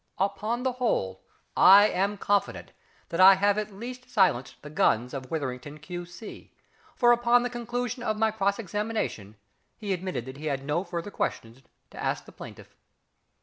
Upon the whole, I am confident that I have at least silenced the guns of WITHERINGTON, Q.C., for upon the conclusion of my cross examination, he admitted that he had no further questions to ask the plaintiff.